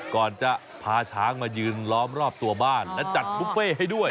ก่อนจะพาช้างมายืนล้อมรอบตัวบ้านและจัดบุฟเฟ่ให้ด้วย